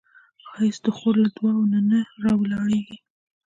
ښایست د خور له دعاوو نه راولاړیږي